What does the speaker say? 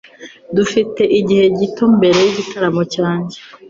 Dufite igihe gito mbere yigitaramo cyanjye.